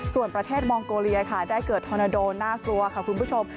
ส่วนประเทศมองโกเลียค่ะได้เกิดธอนาโดน่ากลัวค่ะคุณผู้ชม